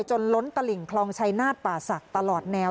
ล้นตลิ่งคลองชายนาฏป่าศักดิ์ตลอดแนว